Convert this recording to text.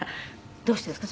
どうしてですか？